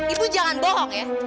ibu jangan bohong ya